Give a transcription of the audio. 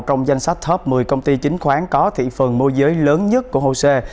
trong danh sách top một mươi công ty chính khoán có thị phần mua giới lớn nhất của hồ sê